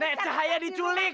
nek cahaya diculik